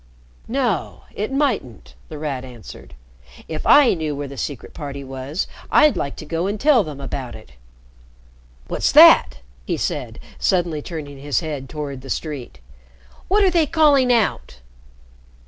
"No, it mightn't," The Rat answered. "If I knew where the Secret Party was, I'd like to go and tell them about it. What's that!" he said, suddenly turning his head toward the street. "What are they calling out?"